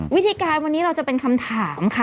วิธีการวันนี้เราจะเป็นคำถามค่ะ